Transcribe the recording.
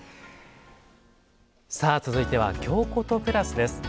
さあ続いては「京コト＋」です。